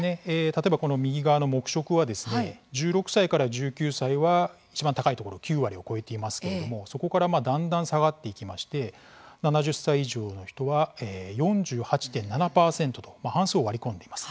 例えば右側の黙食は１６歳から１９歳はいちばん高いところ９割を超えていますけれどもだんだん下がっていきまして７０歳以上の人は４８．７％と半数を割り込んでいます。